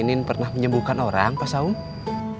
kang inim pernah menyembuhkan orang pak saud